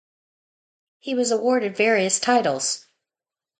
He was awarded various titles.